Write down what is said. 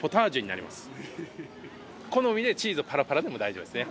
好みでチーズをパラパラでも大丈夫ですね。